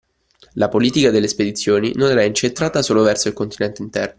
La politica delle spedizioni non era incentrata solo verso il continente interno